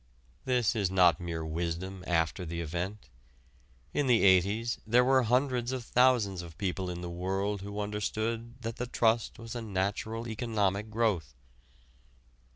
This is not mere wisdom after the event. In the '80's there were hundreds of thousands of people in the world who understood that the trust was a natural economic growth.